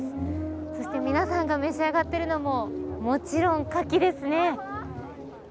そして皆さんが召し上がっているのももちろん、かきですね。